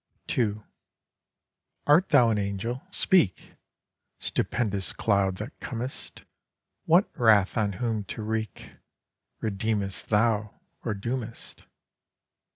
II Art thou an Angel—speak, Stupendous Cloud that comest? What wrath on whom to wreak? Redeemest thou, or doomest?